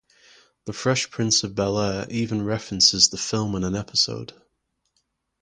"The Fresh Prince of Bel-Air" even references the film in an episode.